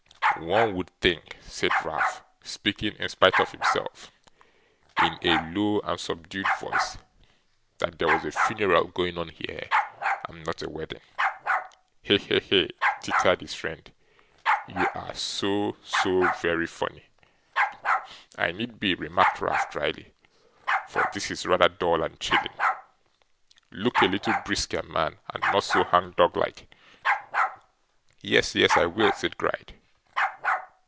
'One would think,' said Ralph, speaking, in spite of himself, in a low and subdued voice, 'that there was a funeral going on here, and not a wedding.' 'He, he!' tittered his friend, 'you are so so very funny!' 'I need be,' remarked Ralph, drily, 'for this is rather dull and chilling. Look a little brisker, man, and not so hangdog like!' 'Yes, yes, I will,' said Gride.